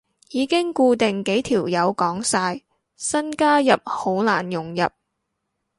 已經固定幾條友講晒，新加入好難融入